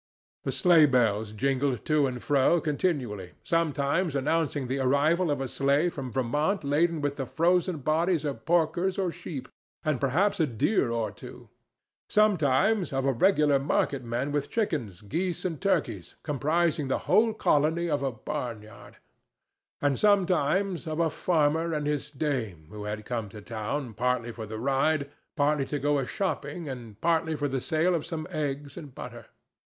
The sleigh bells jingled to and fro continually, sometimes announcing the arrival of a sleigh from Vermont laden with the frozen bodies of porkers or sheep, and perhaps a deer or two; sometimes, of a regular marketman with chickens, geese and turkeys, comprising the whole colony of a barn yard; and sometimes, of a farmer and his dame who had come to town partly for the ride, partly to go a shopping and partly for the sale of some eggs and butter.